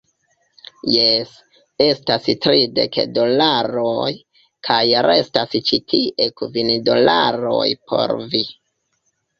Jes, estas tridek dolaroj, kaj restas ĉi tie kvin dolaroj por vi.